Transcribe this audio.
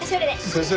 先生